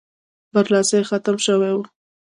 برلاسی ختم شوی وو.